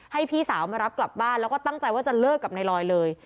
ให้พี่สาวมารับกลับบ้านแล้วก็ตั้งใจว่าจะเลิกกับนายลอยเลย